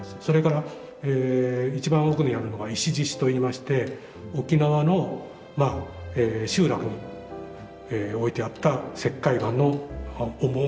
それから一番奥にあるのが石獅子といいまして沖縄の集落置いてあった石灰岩の重い獅子です。